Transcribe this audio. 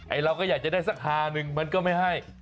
เราก็อยากจะได้สักฮานึงมันก็ไม่ให้